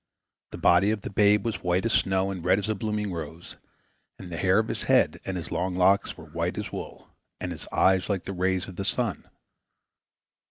The body of the babe was white as snow and red as a blooming rose, and the hair of his head and his long locks were white as wool, and his eyes like the rays of the sun.